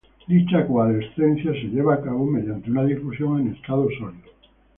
Dicha coalescencia se lleva a cabo mediante una difusión en estado sólido.